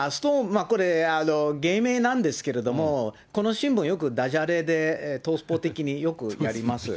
これ、芸名なんですけれども、この新聞、よくだじゃれで東スポ的によくやります。